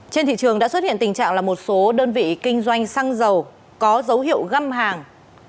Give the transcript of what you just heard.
trên thị trường đã xuất hiện tình trạng là một số đơn vị kinh doanh xăng dầu có dấu hiệu găm hàng